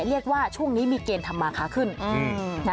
เรียกว่าช่วงนี้มีเกณฑ์ทำมาค้าขึ้น